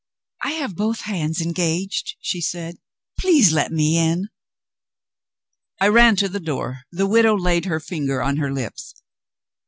"I have both hands engaged," she said; "please let me in." I ran to the door. The widow laid her finger on her lips.